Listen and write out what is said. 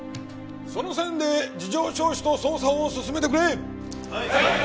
その線で事情聴取と捜査を進めてくれ！